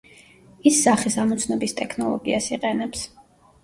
ის სახის ამოცნობის ტექნოლოგიას იყენებს.